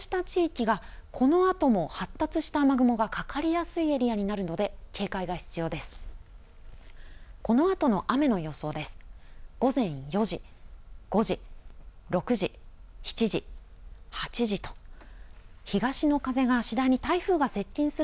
こうした地域がこのあとも発達した雨雲がかかりやすいエリアになるので警戒が必要です。